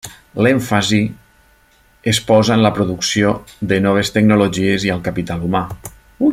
L'èmfasi es posa en la producció de noves tecnologies i al capital humà.